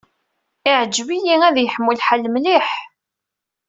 Iɛǧeb-iyi ad yeḥmu lḥal mliḥ.